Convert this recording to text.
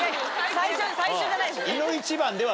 最初じゃないですね。